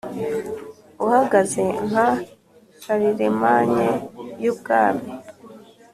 uhagaze, nka charlemagne yubwami,